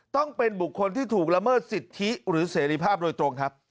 ต้องเป็นบุคคลที่ถูกละเมิดสิทธิหรือเสรีภาพโดยตรงครับ